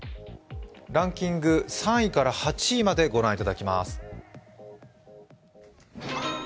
ランキング３位から８位まで御覧いただきます。